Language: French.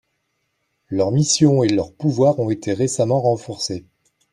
Leurs missions et leurs pouvoirs ont été récemment renforcés.